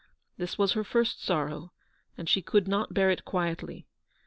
This was her first sorrow, and she could not bear it quietly.